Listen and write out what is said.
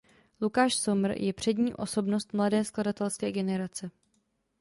Lukáš Sommer je přední osobnost mladé skladatelské generace.